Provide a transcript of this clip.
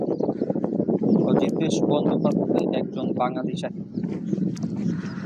অজিতেশ বন্দ্যোপাধ্যায় একজন বাঙালি সাহিত্যিক।